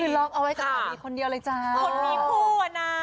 ล็อกเอาไว้กับสามีคนเดียวเลยจ้าคนมีคู่อ่ะนะ